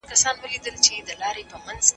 متخصصین د اقتصادي پلانونو په ارزونه بوخت دي.